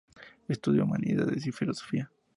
Estudió humanidades y filosofía.